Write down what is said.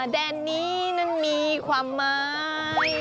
แดนนั้นมีความไม้